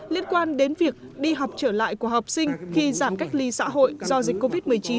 liên quan đến việc đi học trở lại của học sinh khi giảm cách ly xã hội do dịch covid một mươi chín